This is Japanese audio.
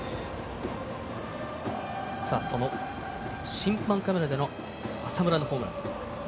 審判カメラでの浅村のホームラン。